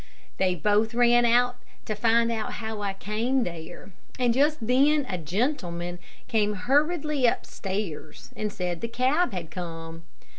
They both ran out to find out how I came there, and just then a gentleman came hurriedly upstairs, and said the cab had come.